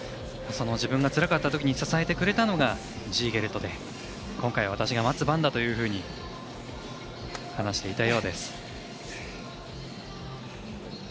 自分がつらかったときに支えてくれたのがジーゲルトで、今回は私が待つ番だというふうに話していたようです。